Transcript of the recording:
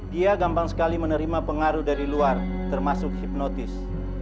dia gampang sekali menerima pengaruh dari luar termasuk hipnotis